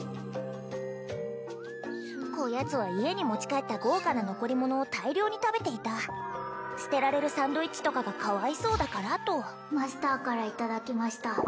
こやつは家に持ち帰った豪華な残り物を大量に食べていた捨てられるサンドイッチとかがかわいそうだからとマスターからいただきました